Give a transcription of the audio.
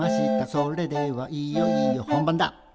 「それではいよいよ本番だ」